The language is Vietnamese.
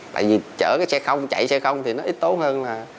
tại vì chở cái xe không chạy xe không thì nó ít tốn hơn là